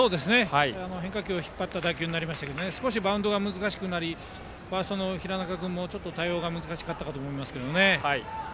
変化球を引っ張った打球になりましたが少しバウンドが難しくなりファーストの平中君も対応が難しかったと思いますが。